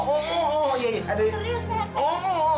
serius pak rt